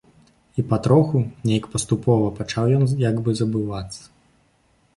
І патроху, нейк паступова пачаў ён як бы забывацца.